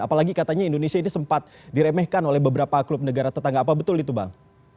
apalagi katanya indonesia ini sempat diremehkan oleh beberapa klub negara tetangga apa betul itu bang